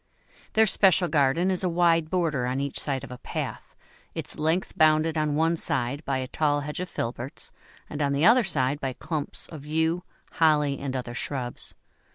Their special garden is a wide border on each side of a path, its length bounded on one side by a tall hedge of filberts, and on the other side by clumps of yew, holly, and other shrubs.